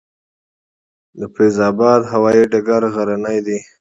د فیض اباد هوايي ډګر غرنی دی